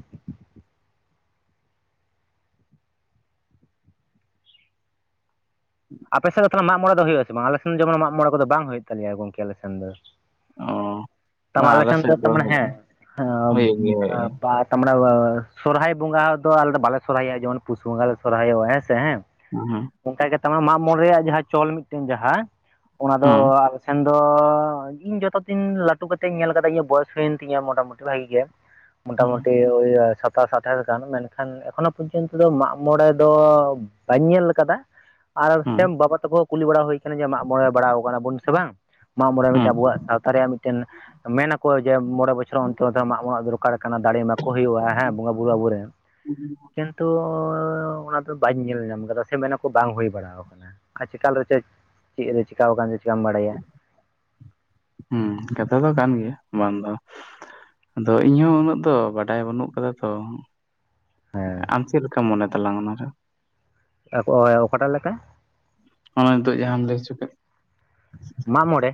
ᱟᱯᱮ ᱥᱮᱫ ᱫᱚ ᱛᱟᱞᱟᱝ, ᱢᱟᱜ ᱢᱚᱬᱮ ᱫᱚ, ᱦᱩᱭᱩᱜ ᱟᱥᱮ ᱵᱟᱝ, ᱟᱞᱮ ᱥᱮᱱ ᱡᱚᱮᱢᱚᱱ ᱢᱟᱜ ᱢᱚᱬᱮ ᱠᱚᱫᱚ ᱵᱟᱝ ᱦᱩᱭᱩᱜᱼᱟ, ᱛᱟᱞᱮᱭᱟ ᱜᱚᱝᱠᱮ ᱟᱞᱮ ᱥᱮᱱ ᱫᱚ‌ ᱚ ᱾ ᱵᱟᱝ ᱛᱟᱢᱟ ᱟᱞᱮ ᱞᱮᱠᱷᱟᱱ ᱥᱮᱫ ᱫᱚ ᱢᱟᱱᱮ ᱦᱮᱸ, ᱦᱩᱭᱩᱜ ᱜᱮᱭᱟ ᱚᱸᱻᱯᱟᱨᱴ [unintelligible] ᱛᱟᱢᱲᱟ ᱣᱣᱟ, [unintelligible] ᱥᱚᱨᱦᱟᱭ ᱵᱚᱸᱜᱟ ᱫᱚ ᱟᱞᱮ ᱫᱚ ᱵᱟᱞᱮ ᱥᱚᱨᱦᱟᱭᱚᱜᱼᱟ, ᱡᱮᱢᱚᱱ ᱯᱩᱥ ᱵᱚᱸᱜᱟ ᱞᱮ, ᱥᱚᱨᱦᱟᱭᱚᱜᱼᱟ, ᱦᱮᱸ ᱥᱮ, ᱦᱮᱸ ᱾ ᱦᱩᱸᱦᱩᱸ ᱾ ᱚᱱᱠᱟ ᱜᱮ ᱛᱟᱱ ᱢᱟᱜ ᱢᱚᱬᱮ ᱨᱮᱭᱟᱜ ᱡᱟᱸᱦᱟᱸ ᱪᱚᱞ ᱢᱤᱫᱴᱮᱱ ᱡᱟᱸᱦᱟᱸ ᱚᱱᱟ ᱫᱚ᱾ ᱦᱩᱸ ᱥᱮᱱ ᱫᱚ ᱤᱧ ᱡᱚᱛᱚ ᱫᱤᱱ ᱞᱟᱹᱴᱩ ᱠᱟᱹᱛᱮᱧ ᱧᱮᱞ ᱟᱠᱟᱫᱟ ᱤᱧᱟᱹᱜ ᱵᱚᱭᱮᱥ ᱦᱩᱭ ᱮᱱ ᱛᱤᱧᱟ ᱢᱚᱴᱟ ᱢᱩᱴᱤ ᱵᱷᱟᱜᱮ ᱜᱮ᱾ [inaudible] ᱢᱚᱴᱟ ᱢᱩᱴᱤ ᱳᱭ ᱥᱟᱛᱟᱥ ᱟᱴᱷᱟᱥ ᱜᱟᱱ ᱢᱮᱱᱠᱷᱟᱱ ᱮᱠᱷᱚᱱᱳ ᱯᱚᱨᱡᱚᱱᱛᱚ ᱫᱚ ᱢᱟᱜ ᱢᱚᱬᱮ ᱫᱚ᱾ ᱵᱟᱹᱧ ᱧᱮᱞ ᱠᱟᱫᱟ ᱟᱨ ᱦᱩᱸ ᱥᱮᱢ ᱵᱟᱵᱟ ᱛᱟᱠᱚ ᱦᱚᱸ ᱠᱩᱞᱤ ᱵᱟᱲᱟ ᱦᱩᱭ ᱠᱟᱱᱟ ᱡᱮ ᱢᱟᱜ ᱢᱚᱬᱮ ᱵᱟᱲᱟᱣ ᱠᱟᱱᱟ ᱵᱚᱱ ᱥᱮ ᱵᱟᱝ᱾ ᱢᱟᱜ ᱢᱚᱬᱮ ᱢᱤᱫᱴᱮᱱ ᱟᱵᱚᱣᱟᱜ ᱦᱩᱸ ᱥᱟᱶᱛᱟ ᱨᱮᱭᱟᱜ ᱢᱤᱫᱴᱮᱱ ᱢᱮᱱ ᱟᱠᱚ ᱡᱮ ᱢᱚᱬᱮ ᱵᱚᱪᱷᱚᱨ ᱚᱱᱛᱚᱨ ᱢᱟᱜ ᱢᱚᱬᱮᱜ ᱫᱚᱨᱠᱟᱨ ᱠᱟᱱᱟ ᱫᱟᱲᱮ ᱮᱢᱟ ᱠᱚ ᱦᱩᱭᱩᱜᱼᱟ᱾ ᱦᱮᱸ ᱵᱚᱸᱜᱟ ᱵᱩᱨᱩ ᱟᱵᱚ ᱨᱮᱱ᱾ ᱠᱤᱱᱛᱩ ᱚᱱᱟ ᱫᱚ ᱵᱟᱹᱧ ᱧᱮᱞ ᱧᱟᱢ ᱠᱟᱫᱟ ᱥᱮ ᱢᱮᱱᱟ ᱠᱚ ᱵᱟᱝ ᱦᱩᱭ ᱟᱠᱟᱱᱟ᱾ [unintelligible] ᱪᱮᱠᱟᱞ ᱨᱮ ᱪᱚ ᱪᱮᱫ ᱨᱮ ᱪᱤᱠᱟᱣ ᱟᱠᱟᱱ ᱪᱮᱠᱟᱢ ᱵᱟᱲᱟᱭᱟ᱾ ᱦᱮᱸ ᱠᱟᱛᱷᱟ ᱫᱚ ᱠᱟᱱ ᱜᱮᱭᱟ ᱵᱟᱝ ᱫᱚ᱾ ᱟᱫᱚ ᱤᱧ ᱦᱚ ᱩᱱᱟᱹᱜ ᱫᱚ ᱵᱟᱰᱟᱭ ᱵᱟᱹᱱᱩᱜ ᱠᱟᱫᱟ ᱛᱚ᱾ ᱟᱢ ᱪᱮᱫ ᱞᱮᱠᱟᱢ ᱢᱚᱱᱮ ᱛᱟᱞᱟᱝ ᱚᱱᱟ ᱨᱮ᱾ [unintelligible] ᱚᱠᱟᱴᱟᱜ ᱞᱮᱠᱟ᱾ ᱚᱱᱟ ᱱᱤᱛᱚᱜ ᱡᱟᱸᱦᱟᱸᱢ ᱞᱟᱹᱭ ᱦᱚᱪᱚ ᱠᱮᱫ᱾ ᱢᱟᱜ ᱢᱚᱬᱮ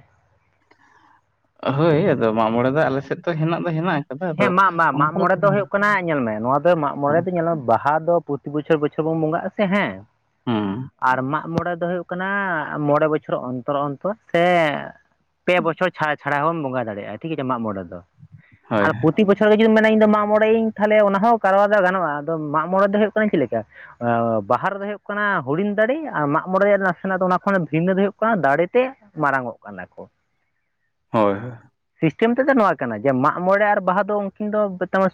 ᱦᱳᱭ ᱟᱫᱚ ᱢᱟᱜ ᱢᱚᱬᱮ ᱫᱚ ᱟᱞᱮᱥᱮᱫ ᱫᱚ ᱦᱮᱱᱟᱜ ᱫᱚ ᱦᱮᱱᱟᱜᱼᱟ᱾ ᱦᱮᱸ ᱢᱟᱜ ᱢᱟ ᱢᱟᱜ ᱢᱚᱬᱮ ᱫᱚ ᱦᱩᱭᱩᱜ ᱠᱟᱱᱟ᱾ ᱧᱮᱞ ᱢᱮ ᱱᱚᱣᱟ ᱫᱚ ᱢᱟᱜ ᱢᱚᱬᱮ ᱦᱩᱸ ᱫᱚ ᱧᱮᱞ ᱢᱮ ᱵᱟᱦᱟ ᱫᱚ ᱯᱨᱚᱛᱤ ᱵᱚᱪᱷᱚᱨ ᱵᱚᱪᱷᱚᱨ ᱵᱚᱱ ᱵᱚᱸᱜᱟᱜᱼᱟ ᱥᱮ ᱦᱮᱸ ᱦᱩᱸ ᱟᱨ ᱢᱟᱜ ᱢᱚᱬᱮ ᱫᱚ ᱦᱩᱭᱩᱜ ᱠᱟᱱᱟ ᱢᱚᱬᱮ ᱵᱚᱪᱷᱚᱨ ᱚᱱᱛᱚᱨ ᱚᱱᱛᱚᱨ ᱥᱮ ᱯᱮ ᱵᱚᱪᱷᱚᱨ ᱪᱷᱟᱲᱟ ᱪᱷᱟᱲᱟ ᱦᱚᱵᱚᱱ ᱵᱚᱸᱜᱟ ᱫᱟᱲᱮᱭᱟᱜᱼᱟ ᱴᱷᱤᱠ ᱟᱪᱷᱮ ᱢᱟᱜ ᱢᱚᱬᱮ ᱨᱮᱫᱚ ᱦᱳᱭ ᱟᱨ ᱯᱨᱚᱛᱤ ᱵᱚᱪᱷᱚᱨ ᱜᱮ ᱡᱩᱫᱤᱢ ᱢᱮᱱᱟ ᱤᱧ ᱢᱟᱜ ᱢᱚᱬᱮᱧ ᱛᱟᱦᱚᱞᱮ ᱚᱱᱟ ᱦᱚᱸ ᱠᱟᱨᱣᱟ ᱫᱚ ᱜᱟᱱᱚᱜᱼᱟ, ᱟᱫᱚ ᱢᱟᱜ ᱢᱚᱬᱮ ᱫᱚ ᱦᱩᱭᱩᱜ ᱠᱟᱱᱟ ᱪᱮᱫ ᱞᱮᱠᱟ, ᱵᱟᱦᱟ ᱨᱮ ᱫᱚ ᱦᱩᱭᱩᱜ ᱠᱟᱱᱟ ᱦᱩᱰᱤᱧ ᱫᱟᱲᱮ ᱟᱨ ᱢᱟᱜ ᱢᱚᱬᱮ ᱨᱮᱭᱟᱜ ᱱᱟᱥᱮᱱᱟᱜ ᱫᱚ ᱚᱱᱟ ᱠᱷᱚᱱ ᱵᱷᱤᱱᱟᱹ ᱫᱚ ᱦᱩᱭᱩᱜ ᱠᱟᱱᱟ ᱫᱟᱲᱮ ᱛᱮ᱾ ᱢᱟᱨᱟᱝ ᱚᱜ ᱠᱟᱱᱟ ᱠᱚ᱾ ᱦᱳᱭ ᱦᱳᱭ ᱥᱤᱥᱴᱮᱢ ᱛᱮᱛᱫᱚ ᱱᱚᱣᱟ ᱠᱟᱱᱟ ᱡᱮ ᱢᱟᱜ ᱢᱚᱬᱮ ᱟᱨ ᱵᱟᱦᱟ ᱫᱚ ᱩᱱᱠᱤᱱ ᱫᱚ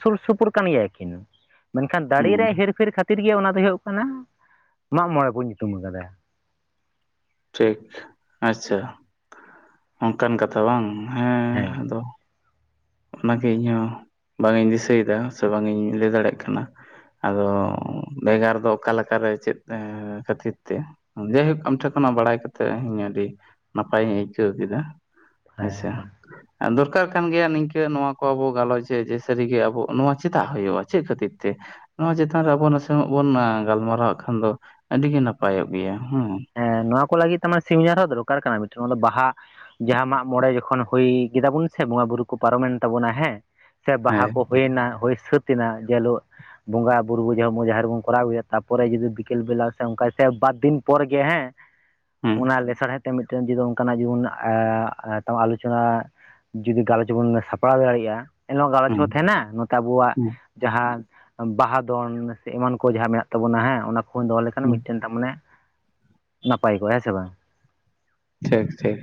ᱥᱩᱨ ᱥᱩᱯᱩᱨ ᱠᱟᱱ ᱜᱮᱭᱟ ᱠᱤᱱ, ᱢᱮᱱᱠᱷᱟᱱ ᱫᱟᱲᱮ ᱦᱩᱸ ᱨᱮᱭᱟᱜ ᱦᱮᱨ-ᱯᱷᱮᱨ ᱠᱷᱟᱹᱛᱤᱨ ᱠᱷᱟᱹᱛᱤᱨ ᱜᱮ ᱚᱱᱟ ᱫᱚ ᱦᱩᱭᱩᱜ ᱠᱟᱱᱟ ᱢᱟᱜ ᱢᱚᱬᱮ ᱵᱚᱱ ᱧᱩᱛᱩᱢ ᱠᱟᱫᱟ᱾ ᱴᱷᱤᱠ, ᱟᱪᱷᱟ ᱚᱱᱠᱟᱱ ᱠᱟᱛᱷᱟ ᱵᱟᱝ ᱦᱮᱸ᱾ ᱦᱮᱸ ᱟᱫᱚ ᱚᱱᱟ ᱜᱮ ᱤᱧᱦᱚᱸ ᱵᱟᱝ ᱤᱧ ᱫᱤᱥᱟᱹᱭᱮᱫᱟ ᱥᱮ ᱵᱟᱝ ᱤᱧ ᱞᱟᱹᱭ ᱫᱟᱲᱮᱭᱟᱜ ᱠᱟᱱᱟ᱾ ᱟᱫᱚ ᱵᱷᱮᱜᱟᱨ ᱫᱚ ᱚᱠᱟ ᱞᱮᱠᱟ ᱨᱮ ᱪᱮᱫ ᱠᱷᱟᱹᱛᱤᱨ ᱛᱮ᱾ ᱡᱟᱭᱦᱳᱠ ᱟᱢ ᱴᱷᱮᱱ ᱠᱷᱚᱱᱟᱜ ᱵᱟᱲᱟᱭ ᱠᱟᱛᱮᱫ ᱤᱧ ᱟᱹᱰᱤ ᱱᱟᱯᱟᱭ ᱤᱧ ᱟᱹᱭᱠᱟᱹᱣ ᱠᱮᱫᱟ᱾ ᱦᱮᱸ ᱟᱪᱷᱟ ᱫᱚᱨᱠᱟᱨ ᱠᱟᱱ ᱜᱮᱭᱟ ᱱᱤᱝᱠᱟᱹ ᱱᱚᱣᱟ ᱠᱚ ᱟᱵᱚ ᱜᱟᱞᱚᱪ ᱮ ᱡᱮ ᱥᱟᱹᱨᱤ ᱜᱮ ᱟᱵᱚ ᱱᱚᱣᱟ ᱪᱮᱫᱟᱜ ᱦᱩᱭᱩᱜᱼᱟ ᱪᱮᱫ ᱠᱷᱟᱹᱛᱤᱨ ᱛᱮ᱾ ᱱᱚᱣᱟ ᱪᱮᱛᱟᱱ ᱨᱮ ᱟᱵᱚ ᱱᱟᱥᱮᱱᱟᱜ ᱵᱚᱱ ᱜᱟᱞᱢᱟᱨᱟᱣᱟᱜ ᱠᱷᱟᱱ ᱫᱚ ᱟᱹᱰᱤ ᱜᱮ ᱱᱟᱯᱟᱭᱚᱜ ᱜᱮᱭᱟ ᱦᱮᱸ ᱦᱮᱸ, ᱱᱚᱣᱟ ᱠᱚ ᱞᱟᱹᱜᱤᱫ ᱛᱮ ᱥᱤᱢ ᱡᱟᱣᱨᱟ ᱦᱚᱸ ᱫᱚᱨᱠᱟᱨ ᱠᱟᱱᱟ ᱢᱤᱫᱴᱮᱱ ᱱᱚᱣᱟ ᱫᱚ ᱵᱟᱦᱟ᱾ ᱡᱟᱸᱦᱟᱸ ᱢᱟᱜ ᱢᱚᱬᱮ ᱡᱚᱠᱷᱚᱱ ᱦᱩᱭ ᱠᱮᱫᱟᱵᱚᱱ ᱥᱮ ᱵᱚᱸᱜᱟ ᱵᱩᱨᱩ ᱠᱚ ᱯᱟᱨᱚᱢᱮᱱ ᱛᱟᱵᱚᱱᱟ ᱦᱮᱸ ᱥᱮ ᱵᱟᱦᱟ ᱦᱮᱸ ᱠᱚ ᱦᱩᱭ ᱮᱱᱟ ᱦᱩᱭ ᱥᱟᱹᱛ ᱮᱱᱟ ᱡᱮ ᱦᱤᱞᱳᱜ᱾ ᱵᱚᱸᱜᱟ ᱵᱩᱨᱩ ᱡᱚ ᱡᱟᱦᱮᱨ ᱨᱮ ᱵᱚᱱ ᱠᱚᱨᱟᱣ ᱟᱹᱜᱩᱭᱟ ᱛᱟᱯᱚᱨᱮ ᱡᱩᱫᱤ ᱵᱤᱠᱮᱞ ᱵᱮᱞᱟ ᱥᱮ ᱚᱱᱠᱟ ᱥᱮ ᱵᱟᱨ ᱫᱤᱱ ᱯᱚᱨ ᱜᱮ ᱦᱮᱸ ᱦᱮᱸ ᱚᱱᱟ ᱞᱟᱸᱥᱟᱲᱦᱮᱫ ᱛᱮ ᱢᱤᱫ ᱢᱤᱫᱴᱮᱱ ᱡᱩᱫᱤ ᱚᱱᱠᱟᱱᱟᱜ ᱡᱩᱫᱤ ᱵᱚᱱ [unintelligible] ᱟᱞᱳᱪᱚᱱᱟ᱾ ᱡᱩᱫᱤ ᱜᱟᱞᱚᱪ ᱵᱚᱱ ᱥᱟᱯᱲᱟᱣ ᱫᱟᱲᱮᱭᱟᱜᱼᱟ ᱮᱱ ᱦᱚ ᱜᱟᱞᱚᱪ ᱦᱚᱸ ᱛᱟᱦᱮᱱᱟ ᱱᱚᱛᱮ ᱟᱵᱚᱣᱟᱜ᱾ ᱦᱮᱸ ᱡᱟᱦᱟᱸ ᱵᱟᱦᱟ ᱫᱚᱱ ᱥᱮ ᱮᱢᱟᱱ ᱠᱚ ᱡᱟᱦᱟᱸ ᱢᱮᱱᱟᱜ ᱛᱟᱵᱚᱱᱟ ᱦᱮᱸ ᱚᱱᱟ ᱠᱚ ᱫᱚᱦᱚ ᱞᱮᱠᱷᱟᱱ ᱦᱮᱸ ᱢᱤᱫᱴᱮᱱ ᱛᱚ ᱢᱟᱱᱮᱼᱼ ᱱᱟᱯᱟᱭ ᱠᱚ ᱦᱮᱸ ᱥᱮ ᱵᱟᱝ? ᱴᱷᱤᱠ ᱴᱷᱤᱠ